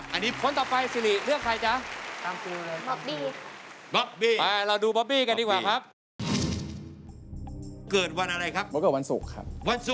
อันนี้คนต่อไปซิริเลือกใครจ๊ะ